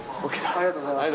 ありがとうございます。